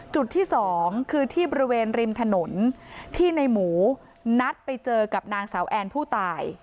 จุดที่สองคือที่บริเวณริมถนนที่ในหมูนัดไปเจอกับนางสาวแอนผู้ตาย